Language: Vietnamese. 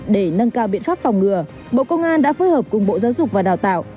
để nâng cao biện pháp phòng ngừa bộ công an đã phối hợp cùng bộ giáo dục và đào tạo